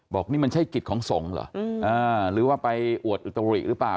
บอกนี่มันใช่กิจของสงฆ์เหรอหรือว่าไปอวดอุตริหรือเปล่า